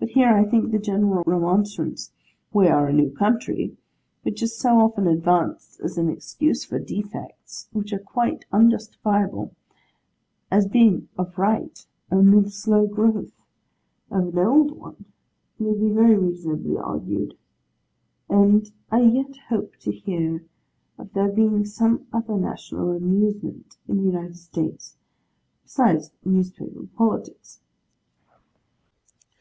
But here, I think the general remonstrance, 'we are a new country,' which is so often advanced as an excuse for defects which are quite unjustifiable, as being, of right, only the slow growth of an old one, may be very reasonably urged: and I yet hope to hear of there being some other national amusement in the United States, besides newspaper politics.